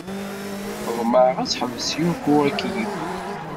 Ḍemɛeɣ ad teḥbes Yoko akeyyef.